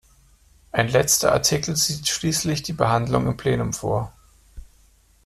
Ein letzter Artikel sieht schließlich die Behandlung im Plenum vor.